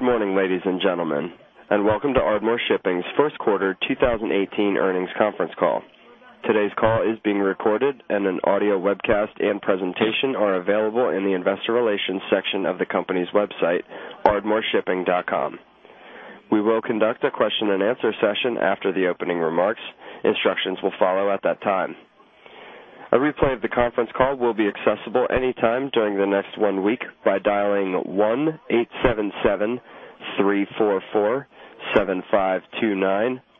Good morning, ladies and gentlemen, and welcome to Ardmore Shipping's first quarter 2018 Earnings Conference Call. Today's call is being recorded, and an audio webcast and presentation are available in the investor relations section of the company's website, ardmoreshipping.com. We will conduct a question-and-answer session after the opening remarks. Instructions will follow at that time. A replay of the conference call will be accessible anytime during the next one week by dialing 1-877-344-7529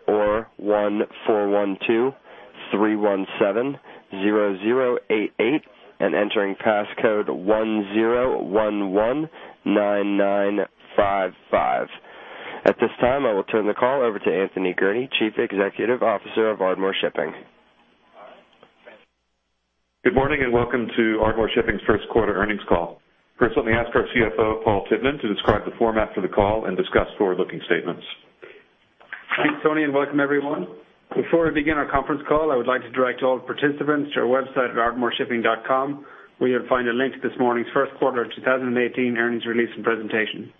or 1-412-317-0088 and entering passcode 10119955. At this time, I will turn the call over to Anthony Gurnee, Chief Executive Officer of Ardmore Shipping. Good morning and welcome to Ardmore Shipping's first quarter earnings call. First, let me ask our CFO, Paul Tivnan, to describe the format for the call and discuss forward-looking statements. Thanks, Tony, and welcome, everyone. Before we begin our conference call, I would like to direct all participants to our website at ardmoreshipping.com, where you'll find a link to this morning's first quarter 2018 earnings release and presentation.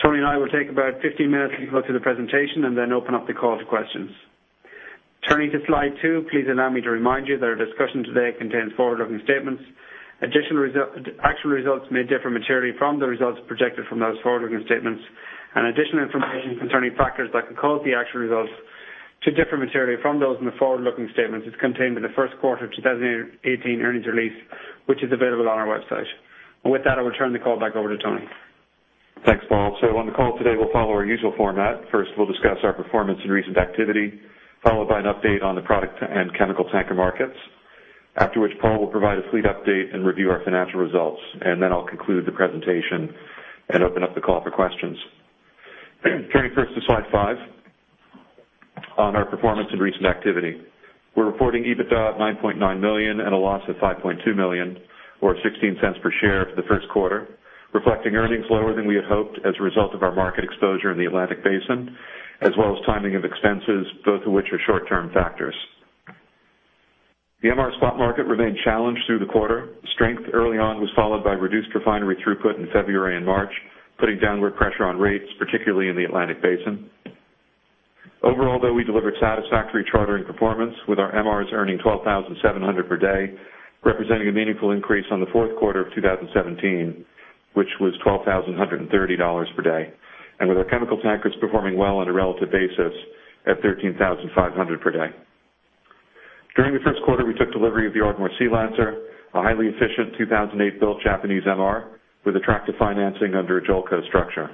Tony and I will take about 15 minutes to look through the presentation and then open up the call to questions. Turning to slide 2, please allow me to remind you that our discussion today contains forward-looking statements. Actual results may differ materially from the results projected from those forward-looking statements, and additional information concerning factors that could cause the actual results to differ materially from those in the forward-looking statements is contained in the first quarter 2018 earnings release, which is available on our website. With that, I will turn the call back over to Tony. Thanks, Paul. So on the call today, we'll follow our usual format. First, we'll discuss our performance and recent activity, followed by an update on the product and chemical tanker markets, after which Paul will provide a fleet update and review our financial results, and then I'll conclude the presentation and open up the call for questions. Turning first to slide five on our performance and recent activity. We're reporting EBITDA at $9.9 million and a loss of $5.2 million, or $0.16 per share, for the first quarter, reflecting earnings lower than we had hoped as a result of our market exposure in the Atlantic Basin, as well as timing of expenses, both of which are short-term factors. The MR spot market remained challenged through the quarter. Strength early on was followed by reduced refinery throughput in February and March, putting downward pressure on rates, particularly in the Atlantic Basin. Overall, though, we delivered satisfactory chartering performance, with our MRs earning $12,700 per day, representing a meaningful increase on the fourth quarter of 2017, which was $12,130 per day, and with our chemical tankers performing well on a relative basis at $13,500 per day. During the first quarter, we took delivery of the Ardmore Sealeader, a highly efficient 2008-built Japanese MR with attractive financing under a JOLCO structure.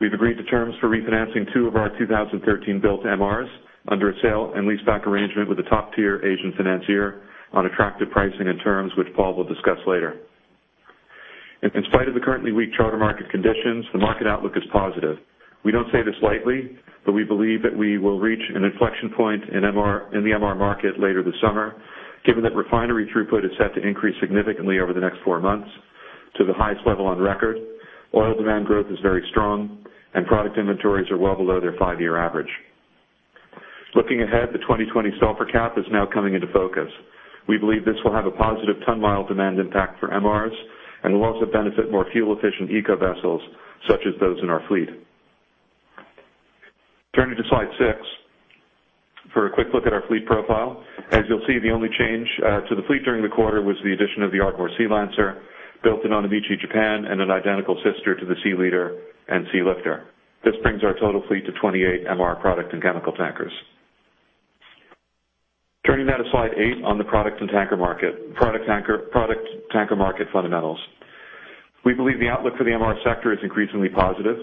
We've agreed to terms for refinancing two of our 2013-built MRs under a sale and lease-back arrangement with a top-tier Asian financier on attractive pricing and terms, which Paul will discuss later. In spite of the currently weak charter market conditions, the market outlook is positive. We don't say this lightly, but we believe that we will reach an inflection point in the MR market later this summer, given that refinery throughput is set to increase significantly over the next four months to the highest level on record. Oil demand growth is very strong, and product inventories are well below their five-year average. Looking ahead, the 2020 sulfur cap is now coming into focus. We believe this will have a positive ton-mile demand impact for MRs and will also benefit more fuel-efficient eco-vessels, such as those in our fleet. Turning to slide 6 for a quick look at our fleet profile. As you'll see, the only change to the fleet during the quarter was the addition of the Ardmore Sealeader, built in Onomichi, Japan, and an identical sister to the Sealeader and Sealifter. This brings our total fleet to 28 MR product and chemical tankers. Turning now to slide 8 on the product tanker market fundamentals. We believe the outlook for the MR sector is increasingly positive.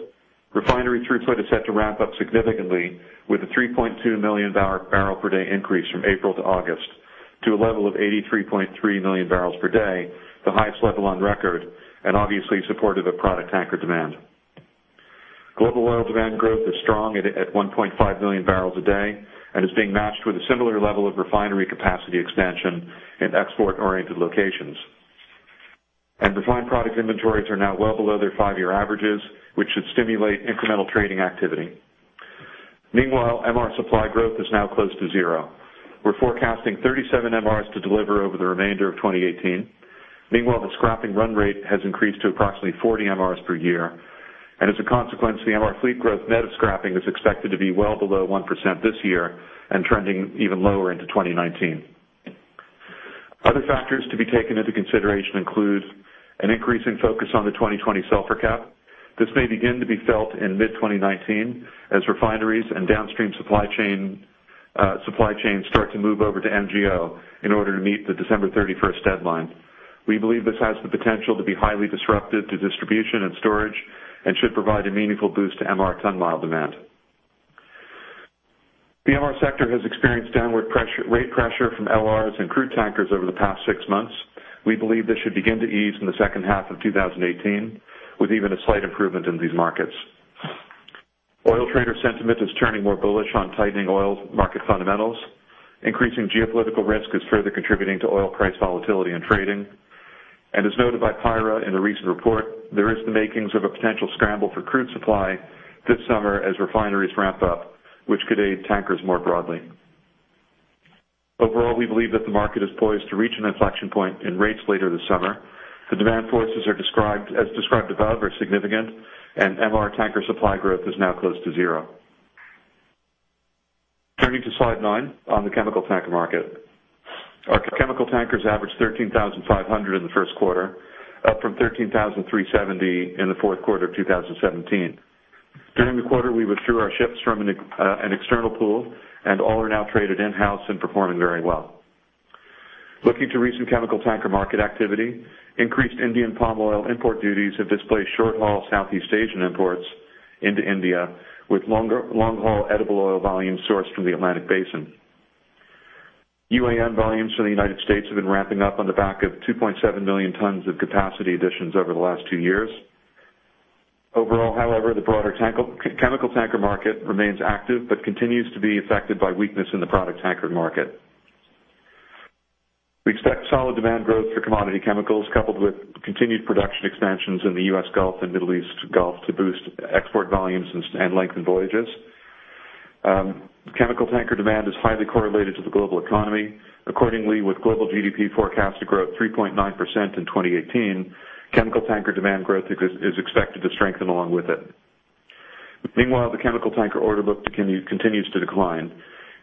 Refinery throughput is set to ramp up significantly, with a 3.2 million barrel per day increase from April to August to a level of 83.3 million barrels per day, the highest level on record and obviously supportive of product tanker demand. Global oil demand growth is strong at 1.5 million barrels a day and is being matched with a similar level of refinery capacity expansion in export-oriented locations. Refined product inventories are now well below their five-year averages, which should stimulate incremental trading activity. Meanwhile, MR supply growth is now close to zero. We're forecasting 37 MRs to deliver over the remainder of 2018. Meanwhile, the scrapping run rate has increased to approximately 40 MRs per year, and as a consequence, the MR fleet growth net of scrapping is expected to be well below 1% this year and trending even lower into 2019. Other factors to be taken into consideration include an increasing focus on the 2020 sulfur Cap. This may begin to be felt in mid-2019 as refineries and downstream supply chain start to move over to MGO in order to meet the December 31st deadline. We believe this has the potential to be highly disruptive to distribution and storage and should provide a meaningful boost to MR ton-mile demand. The MR sector has experienced downward rate pressure from LRs and crude tankers over the past six months. We believe this should begin to ease in the second half of 2018, with even a slight improvement in these markets. Oil trader sentiment is turning more bullish on tightening oil market fundamentals. Increasing geopolitical risk is further contributing to oil price volatility and trading. As noted by PIRA in a recent report, there is the makings of a potential scramble for crude supply this summer as refineries ramp up, which could aid tankers more broadly. Overall, we believe that the market is poised to reach an inflection point in rates later this summer. The demand forces as described above are significant, and MR tanker supply growth is now close to zero. Turning to Slide 9 on the chemical tanker market. Our chemical tankers averaged $13,500 in the first quarter, up from $13,370 in the fourth quarter of 2017. During the quarter, we withdrew our ships from an external pool, and all are now traded in-house and performing very well. Looking to recent chemical tanker market activity, increased Indian palm oil import duties have displaced short-haul Southeast Asian imports into India, with long-haul edible oil volumes sourced from the Atlantic Basin. UAN volumes from the United States have been ramping up on the back of 2.7 million tons of capacity additions over the last two years. Overall, however, the broader chemical tanker market remains active but continues to be affected by weakness in the product tanker market. We expect solid demand growth for commodity chemicals, coupled with continued production expansions in the US Gulf and Middle East Gulf to boost export volumes and lengthen voyages. Chemical tanker demand is highly correlated to the global economy. Accordingly, with global GDP forecast to grow at 3.9% in 2018, chemical tanker demand growth is expected to strengthen along with it. Meanwhile, the chemical tanker order book continues to decline.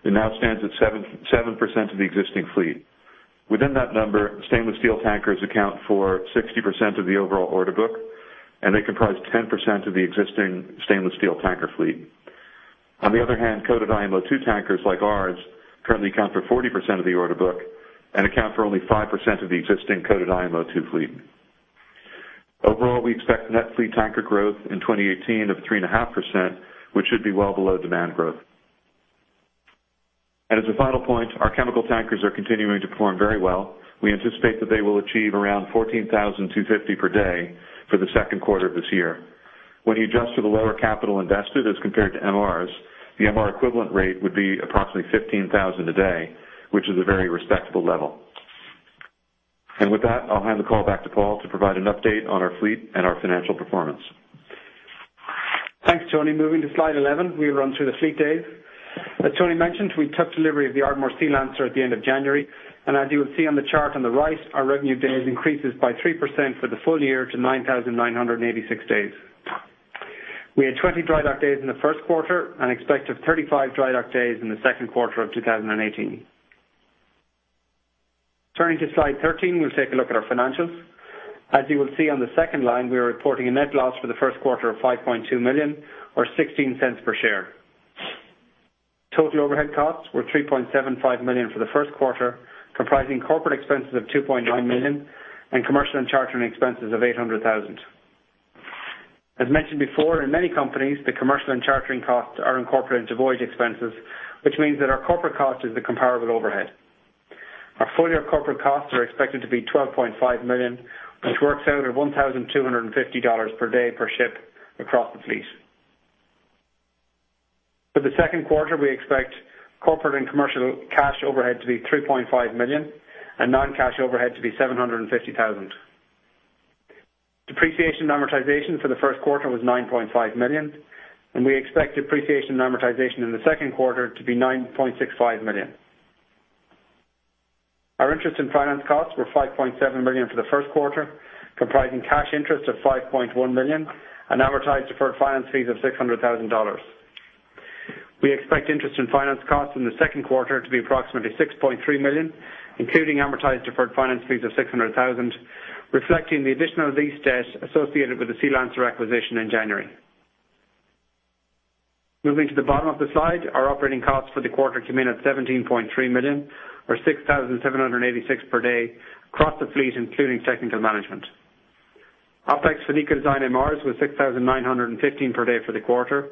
It now stands at 7% of the existing fleet. Within that number, stainless steel tankers account for 60% of the overall order book, and they comprise 10% of the existing stainless steel tanker fleet. On the other hand, coated IMO 2 tankers like ours currently account for 40% of the order book and account for only 5% of the existing coated IMO 2 fleet. Overall, we expect net fleet tanker growth in 2018 of 3.5%, which should be well below demand growth. As a final point, our chemical tankers are continuing to perform very well. We anticipate that they will achieve around 14,250 per day for the second quarter of this year. When you adjust for the lower capital invested as compared to MRs, the MR equivalent rate would be approximately 15,000 a day, which is a very respectable level. With that, I'll hand the call back to Paul to provide an update on our fleet and our financial performance. Thanks, Tony. Moving to slide 11, we'll run through the fleet days. As Tony mentioned, we took delivery of the Ardmore Sealeader at the end of January, and as you will see on the chart on the right, our revenue days increases by 3% for the full year to 9,986 days. We had 20 dry dock days in the first quarter and expect 35 dry dock days in the second quarter of 2018. Turning to slide 13, we'll take a look at our financials. As you will see on the second line, we are reporting a net loss for the first quarter of $5.2 million, or $0.16 per share. Total overhead costs were $3.75 million for the first quarter, comprising corporate expenses of $2.9 million and commercial and chartering expenses of $800,000. As mentioned before, in many companies, the commercial and chartering costs are incorporated into voyage expenses, which means that our corporate cost is the comparable overhead. Our full-year corporate costs are expected to be $12.5 million, which works out at $1,250 per day per ship across the fleet. For the second quarter, we expect corporate and commercial cash overhead to be $3.5 million and non-cash overhead to be $750,000. Depreciation and amortization for the first quarter was $9.5 million, and we expect depreciation and amortization in the second quarter to be $9.65 million. Our interest and finance costs were $5.7 million for the first quarter, comprising cash interest of $5.1 million and amortized deferred finance fees of $600,000. We expect interest and finance costs in the second quarter to be approximately $6.3 million, including amortized deferred finance fees of $600,000, reflecting the additional lease debt associated with the Sealeader acquisition in January. Moving to the bottom of the slide, our operating costs for the quarter came in at $17.3 million, or $6,786 per day across the fleet, including technical management. OPEX for eco-design MRs was $6,915 per day for the quarter.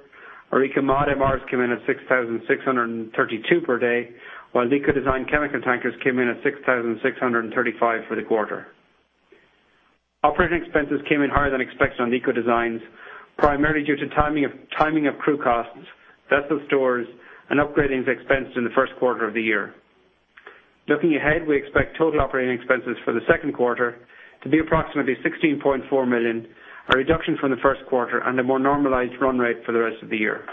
Our eco-mod MRs came in at $6,632 per day, while eco-design chemical tankers came in at $6,635 for the quarter. Operating expenses came in higher than expected on eco-designs, primarily due to timing of crew costs, vessel stores, and upgrading expenses in the first quarter of the year. Looking ahead, we expect total operating expenses for the second quarter to be approximately $16.4 million, a reduction from the first quarter, and a more normalized run rate for the rest of the year.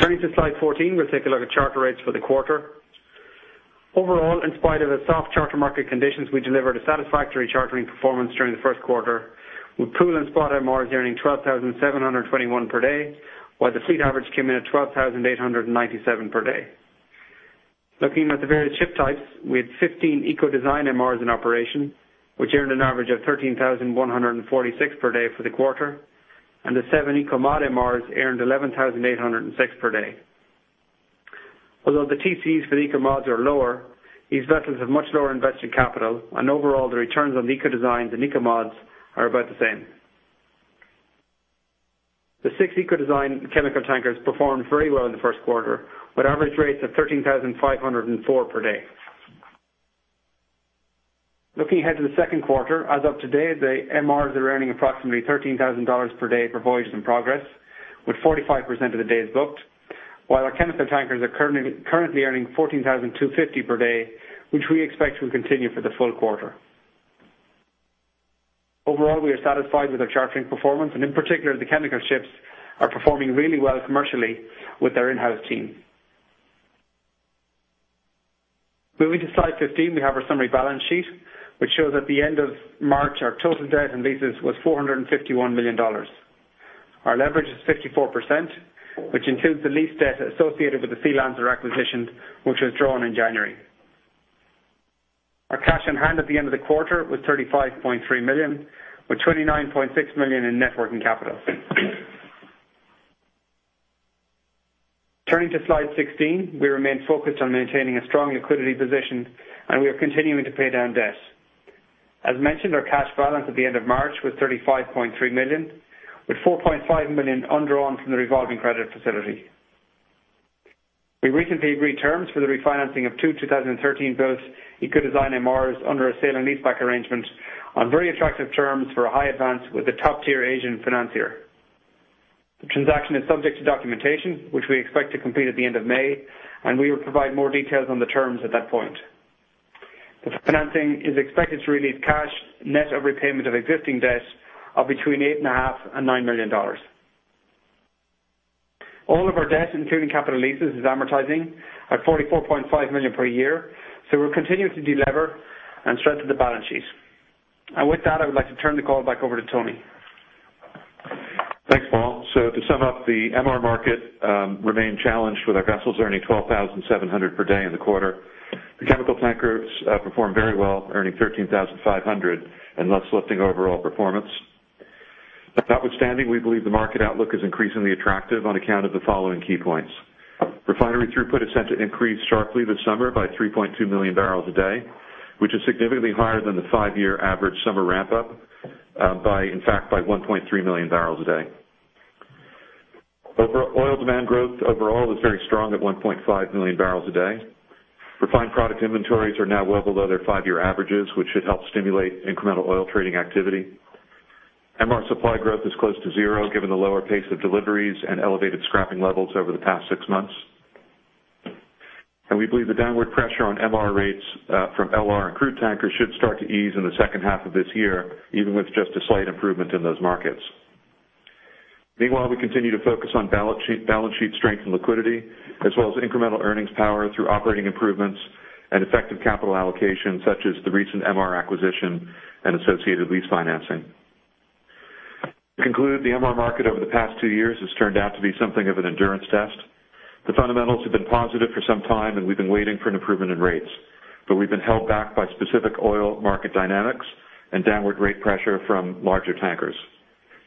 Turning to slide 14, we'll take a look at charter rates for the quarter. Overall, in spite of the soft charter market conditions, we delivered a satisfactory chartering performance during the first quarter, with pool and spot MRs earning $12,721 per day, while the fleet average came in at $12,897 per day. Looking at the various ship types, we had 15 eco-design MRs in operation, which earned an average of $13,146 per day for the quarter, and the seven eco-mod MRs earned $11,806 per day. Although the TCs for the eco-mods are lower, these vessels have much lower invested capital, and overall, the returns on the eco-designs and eco-mods are about the same. The six eco-design chemical tankers performed very well in the first quarter, with average rates of 13,504 per day. Looking ahead to the second quarter, as of today, the MRs are earning approximately $13,000 per day per voyage in progress, with 45% of the day is booked, while our chemical tankers are currently earning 14,250 per day, which we expect will continue for the full quarter. Overall, we are satisfied with our chartering performance, and in particular, the chemical ships are performing really well commercially with their in-house team. Moving to slide 15, we have our summary balance sheet, which shows at the end of March, our total debt and leases was $451 million. Our leverage is 54%, which includes the lease debt associated with the Sealeader acquisition, which was drawn in January. Our cash on hand at the end of the quarter was $35.3 million, with $29.6 million in net working capital. Turning to slide 16, we remain focused on maintaining a strong liquidity position, and we are continuing to pay down debt. As mentioned, our cash balance at the end of March was $35.3 million, with $4.5 million undrawn from the revolving credit facility. We recently agreed terms for the refinancing of two 2013-built eco-design MRs under a sale and leaseback arrangement on very attractive terms for a high advance with a top-tier Asian financier. The transaction is subject to documentation, which we expect to complete at the end of May, and we will provide more details on the terms at that point. The financing is expected to release cash net of repayment of existing debt of between $8.5 million and $9 million. All of our debt, including capital leases, is amortizing at $44.5 million per year, so we'll continue to deliver and strengthen the balance sheet. And with that, I would like to turn the call back over to Tony. Thanks, Paul. So to sum up, the MR market remained challenged, with our vessels earning $12,700 per day in the quarter. The chemical tankers performed very well, earning $13,500 and thus lifting overall performance. That outstanding, we believe the market outlook is increasingly attractive on account of the following key points. Refinery throughput is set to increase sharply this summer by 3.2 million barrels a day, which is significantly higher than the five-year average summer ramp-up, in fact, by 1.3 million barrels a day. Oil demand growth overall is very strong at 1.5 million barrels a day. Refined product inventories are now well below their five-year averages, which should help stimulate incremental oil trading activity. MR supply growth is close to zero given the lower pace of deliveries and elevated scrapping levels over the past six months. We believe the downward pressure on MR rates from LR and crude tankers should start to ease in the second half of this year, even with just a slight improvement in those markets. Meanwhile, we continue to focus on balance sheet strength and liquidity, as well as incremental earnings power through operating improvements and effective capital allocation, such as the recent MR acquisition and associated lease financing. To conclude, the MR market over the past two years has turned out to be something of an endurance test. The fundamentals have been positive for some time, and we've been waiting for an improvement in rates, but we've been held back by specific oil market dynamics and downward rate pressure from larger tankers.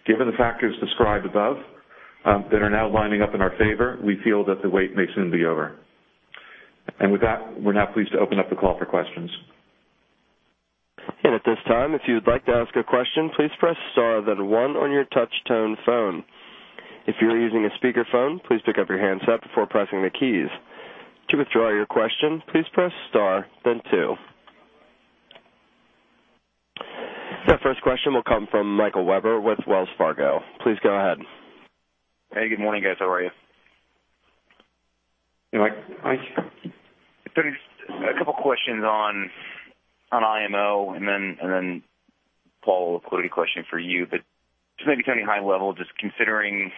Given the factors described above that are now lining up in our favor, we feel that the wait may soon be over. With that, we're now pleased to open up the call for questions. At this time, if you would like to ask a question, please press star, then one, on your touch-tone phone. If you're using a speakerphone, please pick up your handset before pressing the keys. To withdraw your question, please press star, then two. That first question will come from Michael Webber with Wells Fargo. Please go ahead. Hey, good morning, guys. How are you? Hey, Mike. Hi. Tony, just a couple of questions on IMO, and then Paul, a liquidity question for you. But just maybe, Tony, high level, just considering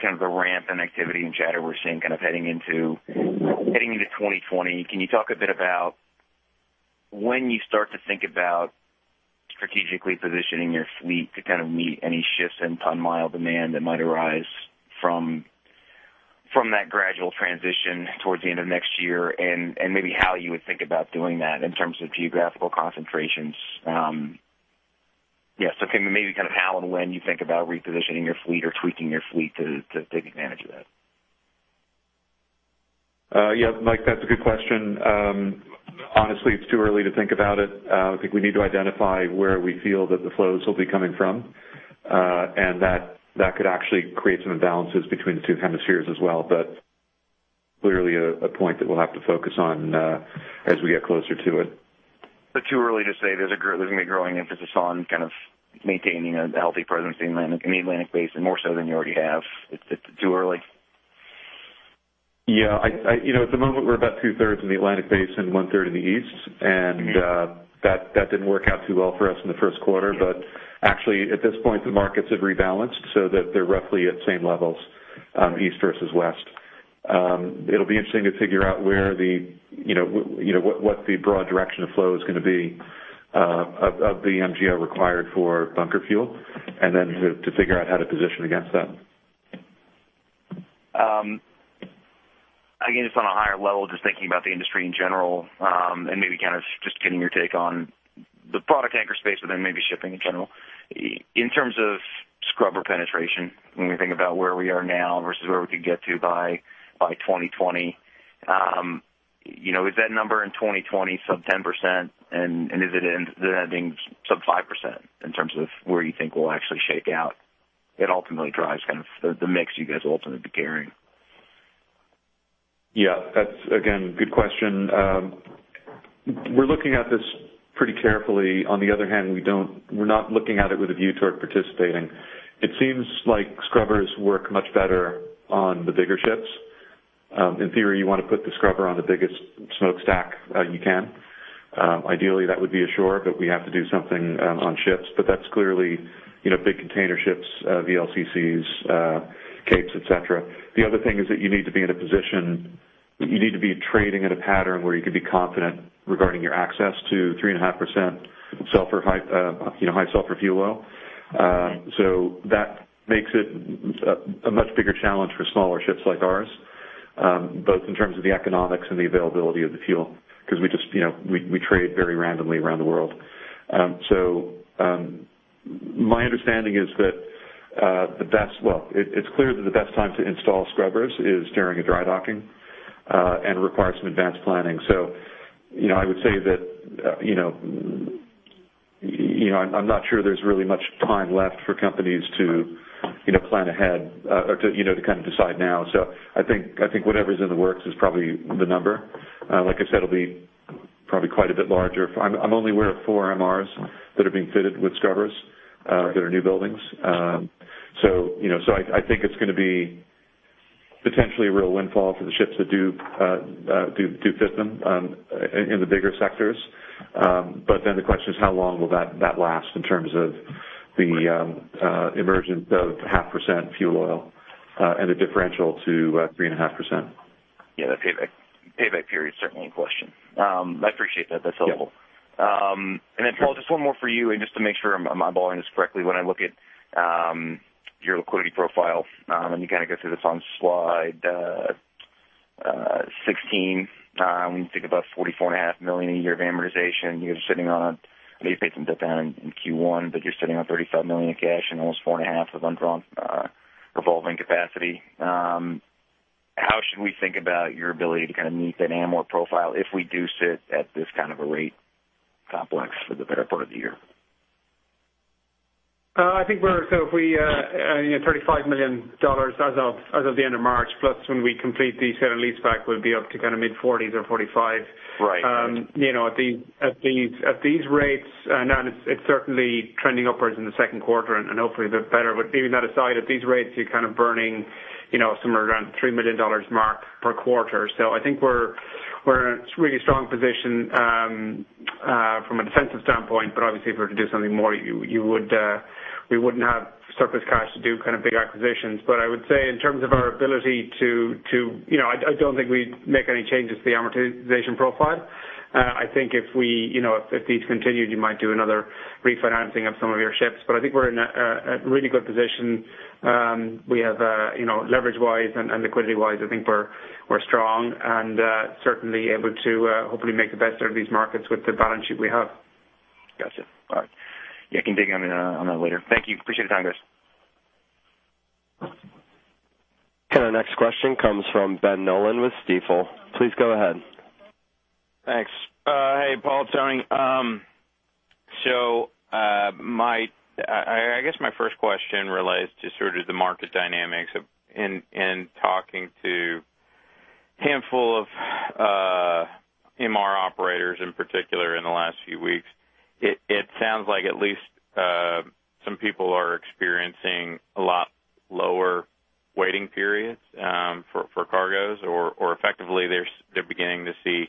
kind of the ramp in activity and chatter we're seeing kind of heading into 2020, can you talk a bit about when you start to think about strategically positioning your fleet to kind of meet any shifts in ton-mile demand that might arise from that gradual transition towards the end of next year, and maybe how you would think about doing that in terms of geographical concentrations? Yeah, so maybe kind of how and when you think about repositioning your fleet or tweaking your fleet to take advantage of that. Yeah, Mike, that's a good question. Honestly, it's too early to think about it. I think we need to identify where we feel that the flows will be coming from, and that could actually create some imbalances between the two hemispheres as well. But clearly, a point that we'll have to focus on as we get closer to it. So, too early to say there's going to be a growing emphasis on kind of maintaining a healthy presence in the Atlantic Basin more so than you already have? It's too early? Yeah. At the moment, we're about two-thirds in the Atlantic Basin and one-third in the East, and that didn't work out too well for us in the first quarter. But actually, at this point, the markets have rebalanced so that they're roughly at same levels, East versus West. It'll be interesting to figure out what the broad direction of flow is going to be of the MGO required for bunker fuel, and then to figure out how to position against that. Again, just on a higher level, just thinking about the industry in general and maybe kind of just getting your take on the product tanker space, but then maybe shipping in general. In terms of scrubber penetration, when we think about where we are now versus where we could get to by 2020, is that number in 2020 sub-10%, and is it ending sub-5% in terms of where you think we'll actually shake out? It ultimately drives kind of the mix you guys will ultimately be carrying. Yeah, that's, again, a good question. We're looking at this pretty carefully. On the other hand, we're not looking at it with a view toward participating. It seems like scrubbers work much better on the bigger ships. In theory, you want to put the scrubber on the biggest smoke stack you can. Ideally, that would be ashore, but we have to do something on ships. But that's clearly big container ships, VLCCs, Capes, etc. The other thing is that you need to be in a position you need to be trading in a pattern where you can be confident regarding your access to 3.5% high-sulfur fuel oil. So that makes it a much bigger challenge for smaller ships like ours, both in terms of the economics and the availability of the fuel because we trade very randomly around the world. So my understanding is that the best, well, it's clear that the best time to install scrubbers is during a dry docking and requires some advanced planning. So I would say that I'm not sure there's really much time left for companies to plan ahead or to kind of decide now. So I think whatever's in the works is probably the number. Like I said, it'll be probably quite a bit larger. I'm only aware of four MRs that are being fitted with scrubbers that are new buildings. So I think it's going to be potentially a real windfall for the ships that do fit them in the bigger sectors. But then the question is, how long will that last in terms of the emergence of 0.5% fuel oil and the differential to 3.5%? Yeah, the payback period is certainly in question. I appreciate that. That's helpful. And then, Paul, just one more for you, and just to make sure I'm eyeballing this correctly. When I look at your liquidity profile and you kind of go through this on slide 16, when you think about $44.5 million a year of amortization, you're sitting on. I know you paid some paydown in Q1, but you're sitting on $35 million in cash and almost $450 million with undrawn revolving capacity. How should we think about your ability to kind of meet that amort profile if we do sit at this kind of a rate complex for the better part of the year? I think we're at $35 million as of the end of March, plus when we complete the sale and leaseback, we'll be up to kind of mid-$40s or $45. At these rates, now, it's certainly trending upwards in the second quarter and hopefully the better. But leaving that aside, at these rates, you're kind of burning somewhere around the $3 million mark per quarter. So I think we're in a really strong position from a defensive standpoint. But obviously, if we were to do something more, we wouldn't have surplus cash to do kind of big acquisitions. But I would say in terms of our ability to I don't think we'd make any changes to the amortization profile. I think if these continued, you might do another refinancing of some of your ships. But I think we're in a really good position. Leverage-wise and liquidity-wise, I think we're strong and certainly able to hopefully make the best out of these markets with the balance sheet we have. Gotcha. All right. Yeah, I can dig on that later. Thank you. Appreciate your time, guys. Our next question comes from Ben Nolan with Stifel. Please go ahead. Thanks. Hey, Paul Tivnan. So I guess my first question relates to sort of the market dynamics. In talking to a handful of MR operators in particular in the last few weeks, it sounds like at least some people are experiencing a lot lower waiting periods for cargoes, or effectively, they're beginning to see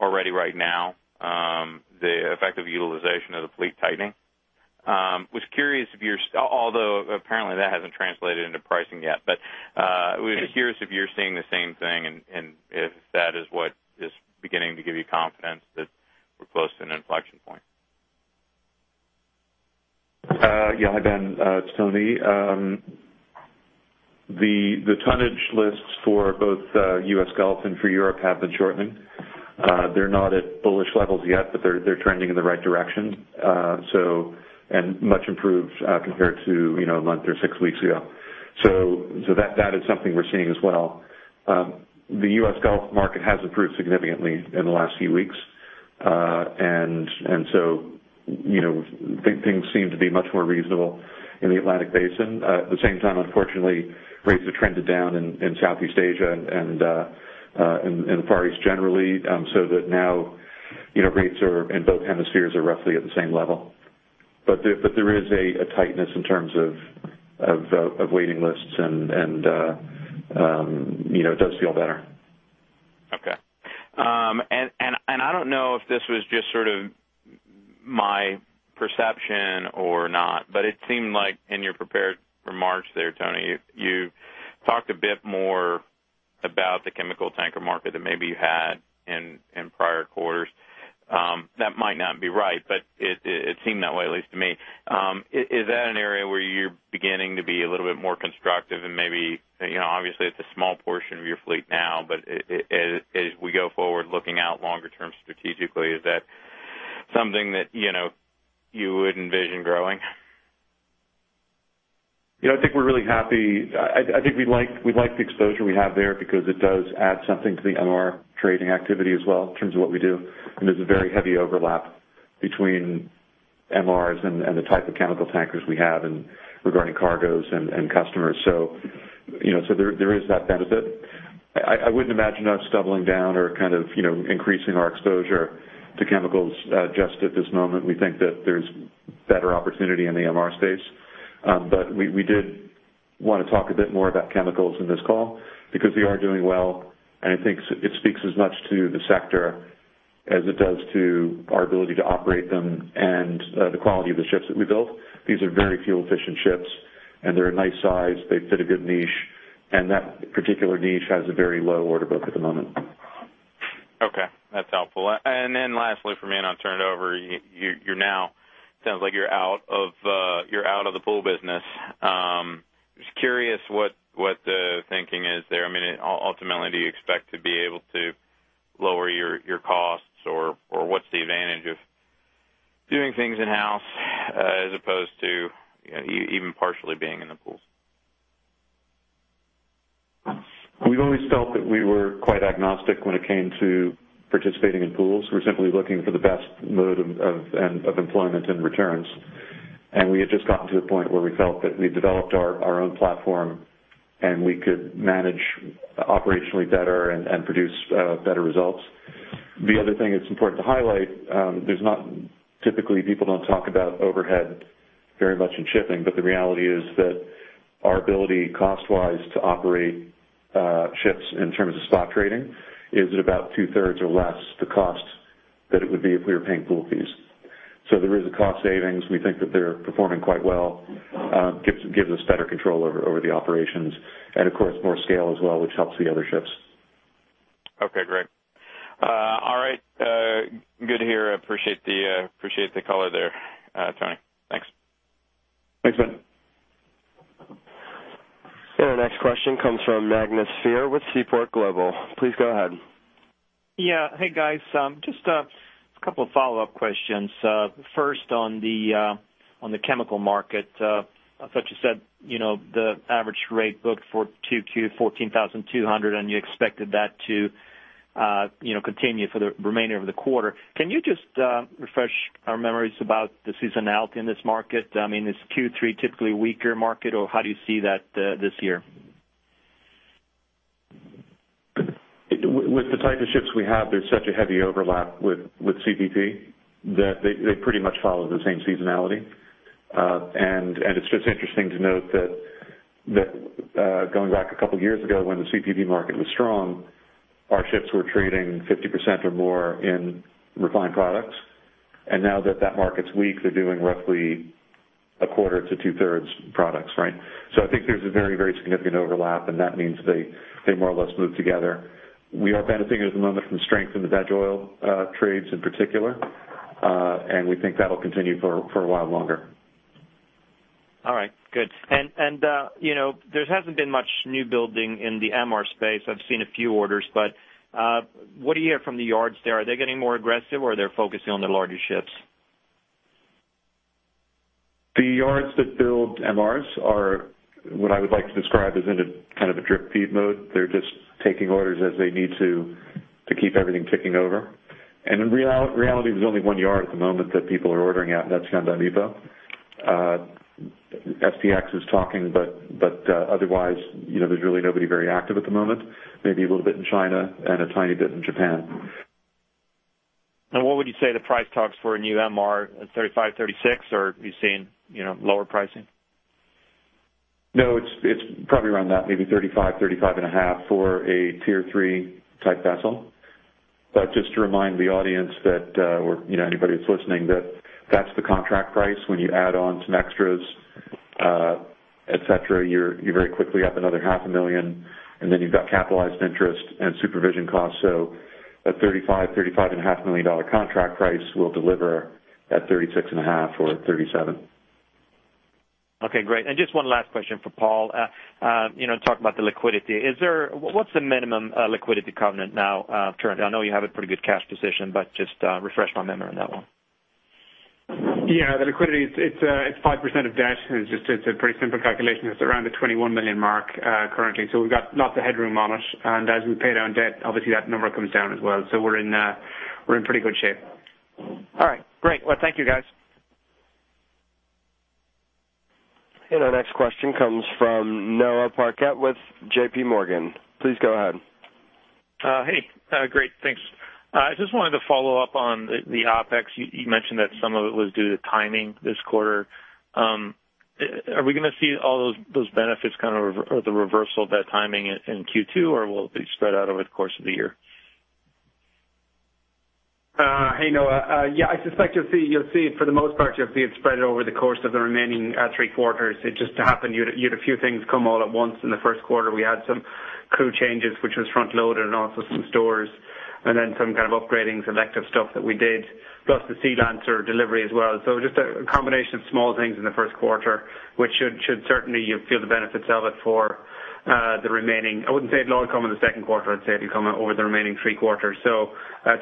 already right now the effective utilization of the fleet tightening. I was curious if you're although apparently, that hasn't translated into pricing yet. But I was curious if you're seeing the same thing and if that is what is beginning to give you confidence that we're close to an inflection point. Yeah, hi Ben. It's Tony. The tonnage lists for both US Gulf and for Europe have been shortening. They're not at bullish levels yet, but they're trending in the right direction and much improved compared to a month or six weeks ago. So that is something we're seeing as well. The US Gulf market has improved significantly in the last few weeks, and so things seem to be much more reasonable in the Atlantic Basin. At the same time, unfortunately, rates have trended down in Southeast Asia and in the Far East generally, so that now rates in both hemispheres are roughly at the same level. But there is a tightness in terms of waiting lists, and it does feel better. Okay. I don't know if this was just sort of my perception or not, but it seemed like in your prepared remarks there, Tony, you talked a bit more about the chemical tanker market than maybe you had in prior quarters. That might not be right, but it seemed that way, at least to me. Is that an area where you're beginning to be a little bit more constructive? And maybe, obviously, it's a small portion of your fleet now, but as we go forward looking out longer-term strategically, is that something that you would envision growing? I think we're really happy. I think we'd like the exposure we have there because it does add something to the MR trading activity as well in terms of what we do. There's a very heavy overlap between MRs and the type of chemical tankers we have regarding cargoes and customers. There is that benefit. I wouldn't imagine us doubling down or kind of increasing our exposure to chemicals just at this moment. We think that there's better opportunity in the MR space. We did want to talk a bit more about chemicals in this call because they are doing well, and I think it speaks as much to the sector as it does to our ability to operate them and the quality of the ships that we built. These are very fuel-efficient ships, and they're a nice size. They fit a good niche, and that particular niche has a very low order book at the moment. Okay. That's helpful. And then lastly for me, and I'll turn it over, it sounds like you're out of the pool business. I was curious what the thinking is there. I mean, ultimately, do you expect to be able to lower your costs, or what's the advantage of doing things in-house as opposed to even partially being in the pools? We've always felt that we were quite agnostic when it came to participating in pools. We're simply looking for the best mode of employment and returns. We had just gotten to a point where we felt that we developed our own platform, and we could manage operationally better and produce better results. The other thing that's important to highlight, typically, people don't talk about overhead very much in shipping, but the reality is that our ability, cost-wise, to operate ships in terms of spot trading is at about two-thirds or less the cost that it would be if we were paying pool fees. There is a cost savings. We think that they're performing quite well. It gives us better control over the operations and, of course, more scale as well, which helps the other ships. Okay. Great. All right. Good to hear. I appreciate the color there, Tony. Thanks. Thanks, Ben. Our next question comes from Magnus Fyhr with Seaport Global. Please go ahead. Yeah. Hey, guys. Just a couple of follow-up questions. First, on the chemical market, I thought you said the average rate booked for 2Q, 14,200, and you expected that to continue for the remainder of the quarter. Can you just refresh our memories about the seasonality in this market? I mean, is Q3 typically a weaker market, or how do you see that this year? With the type of ships we have, there's such a heavy overlap with CPP that they pretty much follow the same seasonality. It's just interesting to note that going back a couple of years ago when the CPP market was strong, our ships were trading 50% or more in refined products. Now that that market's weak, they're doing roughly a quarter to two-thirds products, right? So I think there's a very, very significant overlap, and that means they more or less move together. We are benefiting at the moment from strength in the veg oil trades in particular, and we think that'll continue for a while longer. All right. Good. And there hasn't been much new building in the MR space. I've seen a few orders, but what do you hear from the yards there? Are they getting more aggressive, or are they focusing on their larger ships? The yards that build MRs are what I would like to describe as in kind of a drip feed mode. They're just taking orders as they need to to keep everything ticking over. In reality, there's only one yard at the moment that people are ordering at, and that's Hyundai Mipo. STX is talking, but otherwise, there's really nobody very active at the moment, maybe a little bit in China and a tiny bit in Japan. What would you say the price talks for a new MR, $35-$36, or have you seen lower pricing? No, it's probably around that, maybe $35-$35.5 million for a Tier 3 type vessel. But just to remind the audience or anybody that's listening that that's the contract price. When you add on some extras, etc., you're very quickly up another $500,000, and then you've got capitalized interest and supervision costs. So a $35-$35.5 million contract price will deliver at $36.5 million or $37 million. Okay. Great. And just one last question for Paul. Talking about the liquidity, what's the minimum liquidity covenant now currently? I know you have a pretty good cash position, but just refresh my memory on that one. Yeah. The liquidity, it's 5% of debt. It's a pretty simple calculation. It's around the $21 million mark currently. So we've got lots of headroom on it. And as we pay down debt, obviously, that number comes down as well. So we're in pretty good shape. All right. Great. Well, thank you, guys. Our next question comes from Noah Parquette with J.P. Morgan. Please go ahead. Hey. Great. Thanks. I just wanted to follow up on the OpEx. You mentioned that some of it was due to timing this quarter. Are we going to see all those benefits kind of or the reversal of that timing in Q2, or will it be spread out over the course of the year? Hey, Noah. Yeah, I suspect you'll see it for the most part. You'll see it spread over the course of the remaining three quarters. It just happened you had a few things come all at once. In the first quarter, we had some crew changes, which was front-loaded, and also some stores, and then some kind of upgrading, selective stuff that we did, plus the Sealeader delivery as well. So just a combination of small things in the first quarter, which should certainly you'll feel the benefits of it for the remaining I wouldn't say it'll all come in the second quarter. I'd say it'll come over the remaining three quarters. So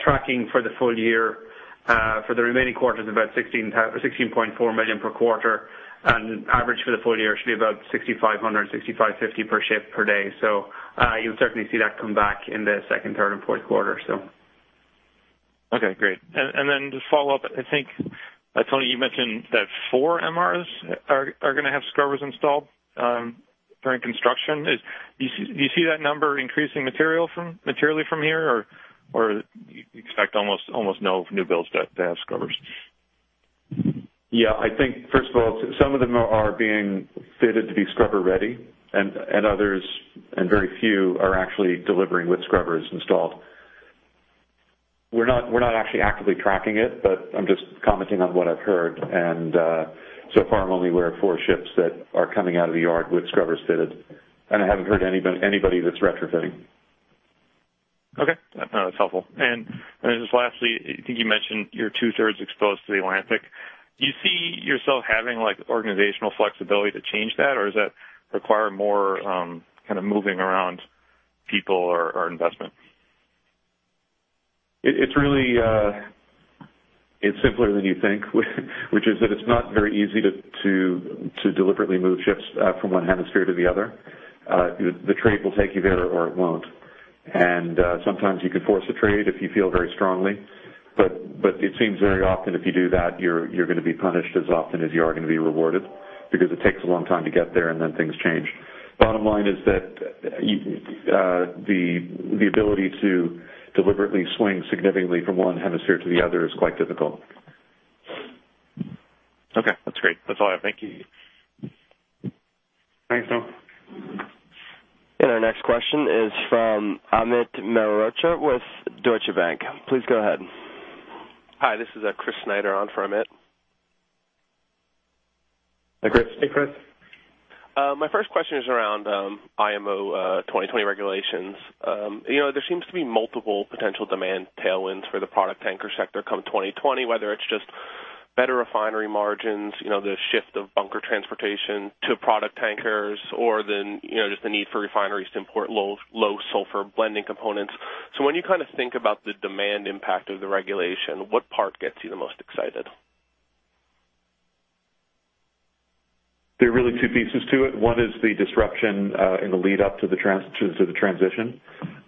tracking for the full year, for the remaining quarters, about $16.4 million per quarter, and average for the full year should be about $6,500-$6,550 per ship per day. You'll certainly see that come back in the second, third, and fourth quarters. Okay. Great. And then to follow up, I think, Tony, you mentioned that four MRs are going to have scrubbers installed during construction. Do you see that number increasing materially from here, or you expect almost no new builds to have scrubbers? Yeah. I think, first of all, some of them are being fitted to be scrubber-ready, and very few are actually delivering with scrubbers installed. We're not actually actively tracking it, but I'm just commenting on what I've heard. And so far, I'm only aware of four ships that are coming out of the yard with scrubbers fitted, and I haven't heard anybody that's retrofitting. Okay. No, that's helpful. Just lastly, I think you mentioned you're two-thirds exposed to the Atlantic. Do you see yourself having organizational flexibility to change that, or does that require more kind of moving around people or investment? It's simpler than you think, which is that it's not very easy to deliberately move ships from one hemisphere to the other. The trade will take you there or it won't. Sometimes you can force a trade if you feel very strongly, but it seems very often if you do that, you're going to be punished as often as you are going to be rewarded because it takes a long time to get there, and then things change. Bottom line is that the ability to deliberately swing significantly from one hemisphere to the other is quite difficult. Okay. That's great. That's all I have. Thank you. Thanks, Tom. Our next question is from Amit Mehrotra with Deutsche Bank. Please go ahead. Hi. This is Chris Snyder on for Amit. Hey, Chris. Hey, Chris. My first question is around IMO 2020 regulations. There seems to be multiple potential demand tailwinds for the product tanker sector come 2020, whether it's just better refinery margins, the shift of bunker transportation to product tankers, or then just the need for refineries to import low-sulfur blending components. So when you kind of think about the demand impact of the regulation, what part gets you the most excited? There are really two pieces to it. One is the disruption in the lead-up to the transition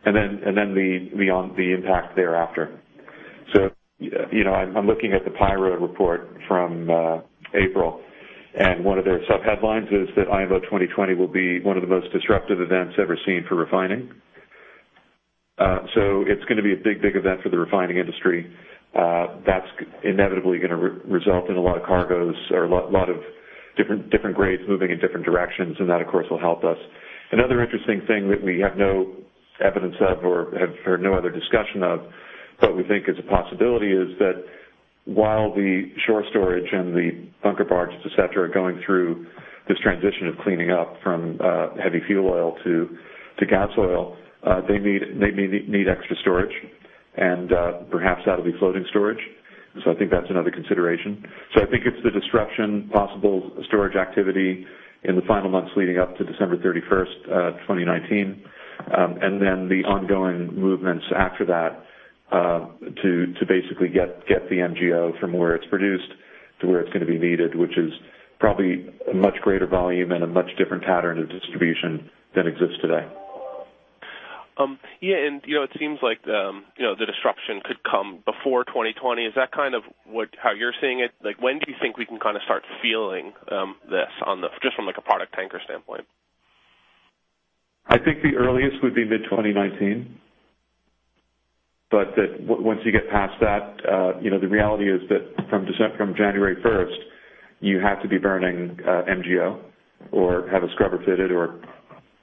and then the impact thereafter. So I'm looking at the PIRA Report from April, and one of their subheadlines is that IMO 2020 will be one of the most disruptive events ever seen for refining. So it's going to be a big, big event for the refining industry. That's inevitably going to result in a lot of cargoes or a lot of different grades moving in different directions, and that, of course, will help us. Another interesting thing that we have no evidence of or have heard no other discussion of but we think is a possibility is that while the shore storage and the bunker barges, etc., are going through this transition of cleaning up from heavy fuel oil to gas oil, they may need extra storage, and perhaps that'll be floating storage. So I think that's another consideration. So I think it's the disruption, possible storage activity in the final months leading up to December 31st, 2019, and then the ongoing movements after that to basically get the MGO from where it's produced to where it's going to be needed, which is probably a much greater volume and a much different pattern of distribution than exists today. Yeah. It seems like the disruption could come before 2020. Is that kind of how you're seeing it? When do you think we can kind of start feeling this just from a product tanker standpoint? I think the earliest would be mid-2019, but once you get past that, the reality is that from January 1st, you have to be burning MGO or have a scrubber fitted or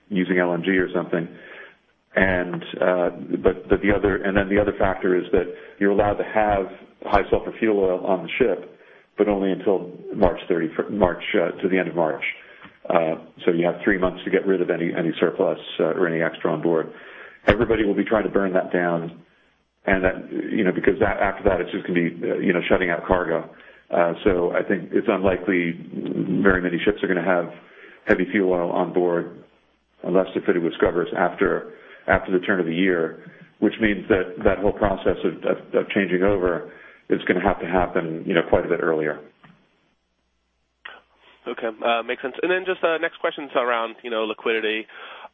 using LNG or something. But then the other factor is that you're allowed to have high-sulfur fuel oil on the ship, but only until March to the end of March. So you have three months to get rid of any surplus or any extra on board. Everybody will be trying to burn that down because after that, it's just going to be shutting out cargo. So I think it's unlikely very many ships are going to have heavy fuel oil on board unless they're fitted with scrubbers after the turn of the year, which means that that whole process of changing over is going to have to happen quite a bit earlier. Okay. Makes sense. And then just next questions around liquidity.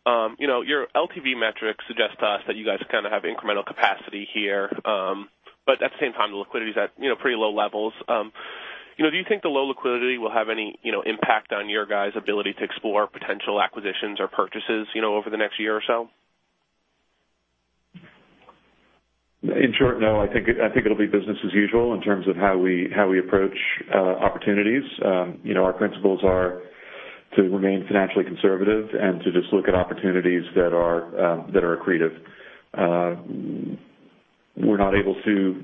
Your LTV metrics suggest to us that you guys kind of have incremental capacity here, but at the same time, the liquidity's at pretty low levels. Do you think the low liquidity will have any impact on your guys' ability to explore potential acquisitions or purchases over the next year or so? In short, no. I think it'll be business as usual in terms of how we approach opportunities. Our principles are to remain financially conservative and to just look at opportunities that are accretive. We're not able to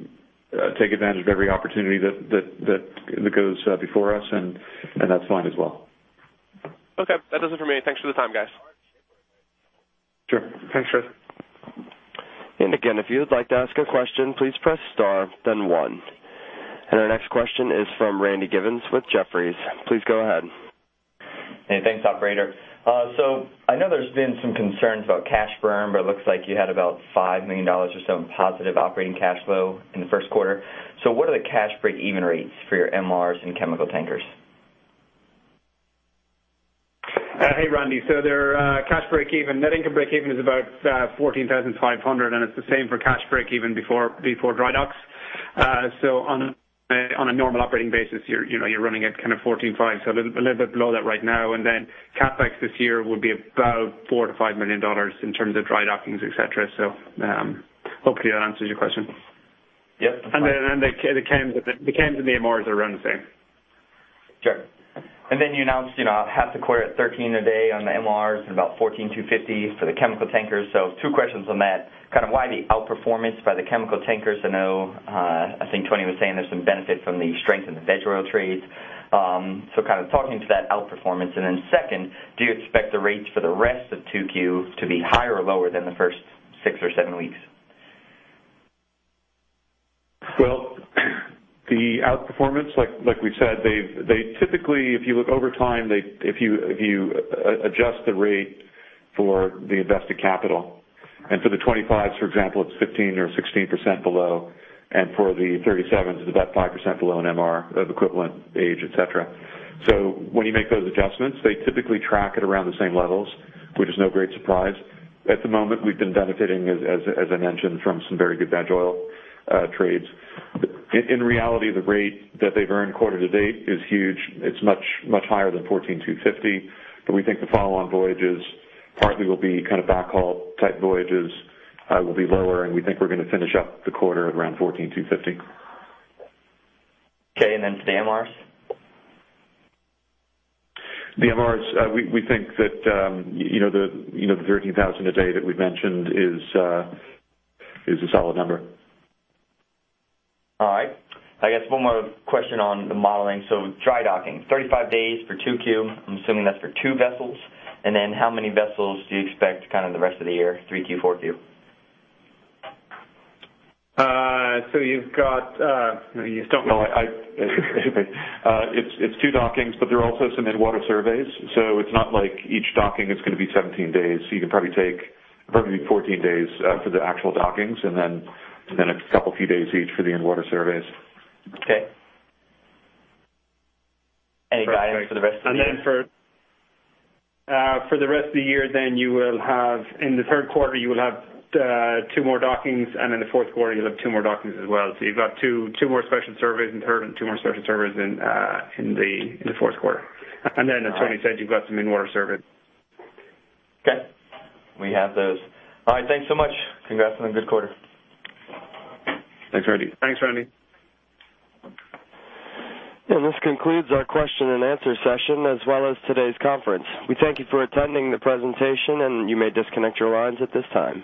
take advantage of every opportunity that goes before us, and that's fine as well. Okay. That does it for me. Thanks for the time, guys. Sure. Thanks, Chris. Again, if you would like to ask a question, please press star, then one. Our next question is from Randy Givens with Jefferies. Please go ahead. Hey. Thanks, operator. So I know there's been some concerns about cash burn, but it looks like you had about $5 million or so in positive operating cash flow in the first quarter. So what are the cash break even rates for your MRs and chemical tankers? Hey, Randy. So their cash break even, net income break even is about 14,500, and it's the same for cash break even before drydocking. So on a normal operating basis, you're running at kind of 14,500, so a little bit below that right now. And then CapEx this year would be about $4 million-$5 million in terms of drydockings, etc. So hopefully, that answers your question. Yep. That's fine. The Chems and the MRs are around the same. Sure. And then you announced half the quarter at $13 a day on the MRs and about $14,250 for the chemical tankers. So two questions on that. Kind of why the outperformance by the chemical tankers? I think Tony was saying there's some benefit from the strength in the veg oil trades. So kind of talking to that outperformance. And then second, do you expect the rates for the rest of 2Q to be higher or lower than the first six or seven weeks? Well, the outperformance, like we said, they typically, if you look over time, if you adjust the rate for the invested capital. And for the 25s, for example, it's 15% or 16% below, and for the 37s, it's about 5% below an MR of equivalent age, etc. So when you make those adjustments, they typically track at around the same levels, which is no great surprise. At the moment, we've been benefiting, as I mentioned, from some very good veg oil trades. In reality, the rate that they've earned quarter to date is huge. It's much higher than $14,250, but we think the follow-on voyages partly will be kind of backhaul-type voyages, will be lower, and we think we're going to finish up the quarter around $14,250. Okay. And then for the MRs? The MRs, we think that the 13,000 a day that we've mentioned is a solid number. All right. I guess one more question on the modeling. So dry docking, 35 days for 2Q. I'm assuming that's for two vessels. And then how many vessels do you expect kind of the rest of the year, 3Q, 4Q? So you've got two dockings, but there are also some in-water surveys. So it's not like each docking is going to be 17 days. You can probably take 14 days for the actual dockings and then a couple few days each for the in-water surveys. Okay. Any guidance for the rest of the year? And then for the rest of the year, then you will have in the third quarter, you will have 2 more dockings, and in the fourth quarter, you'll have 2 more dockings as well. So you've got 2 more special surveys in third and 2 more special surveys in the fourth quarter. And then, as Tony said, you've got some in-water surveys. Okay. We have those. All right. Thanks so much. Congrats on a good quarter. Thanks, Randy. Thanks, Randy. This concludes our question-and-answer session as well as today's conference. We thank you for attending the presentation, and you may disconnect your lines at this time.